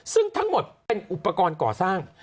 ซึ่งทั้งหมดเป็นอุปกรณ์ก่อสร้าง